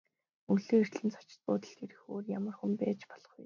Өглөө эртлэн зочид буудалд ирэх өөр ямар хүн байж болох вэ?